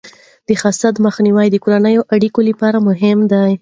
د حسد مخنیوی د کورنیو اړیکو لپاره مهم دی.